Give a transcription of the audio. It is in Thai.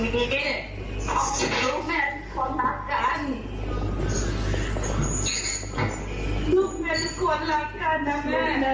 แล้วเดี๋ยวพวกผมก็จะตามไปทีหลังเองแหละ